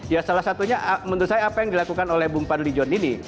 ya salah satunya menurut saya apa yang dilakukan oleh bumpan lijon ini